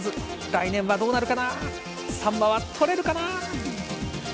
来年はどうなるかなサンマは取れるかな。